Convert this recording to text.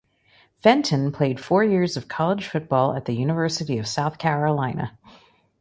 Fenton played four years of college football at the University of South Carolina.